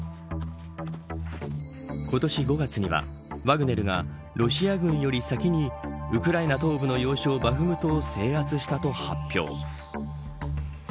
今年５月にはワグネルがロシア軍より先にウクライナ東部の要衝バフムトを制圧したと発表。